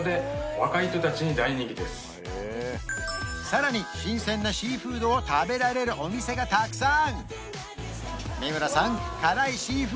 さらに新鮮なシーフードを食べられるお店がたくさん！